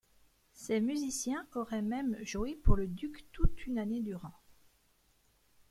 Ces musiciens auraient même joué pour le duc toute une année durant.